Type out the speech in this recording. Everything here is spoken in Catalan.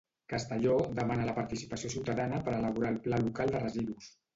Castelló demana la participació ciutadana per elaborar el Pla Local de Residus.